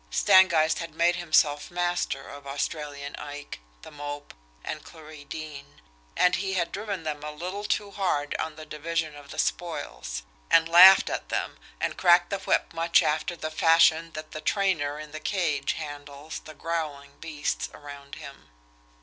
Stangeist had made himself master of Australian Ike, The Mope, and Clarie Deane and he had driven them a little too hard on the division of the spoils and laughed at them, and cracked the whip much after the fashion that the trainer in the cage handles the growling beasts around him.